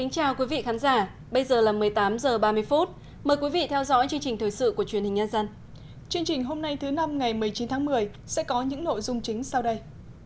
chương trình hôm nay thứ năm ngày một mươi chín tháng một mươi sẽ có những nội dung chính sau đây